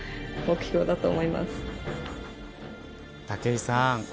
武井さん。